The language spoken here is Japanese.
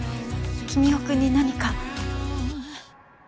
君雄君に何か？